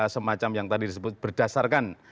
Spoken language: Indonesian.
semacam yang tadi disebut berdasarkan